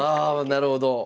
なるほど。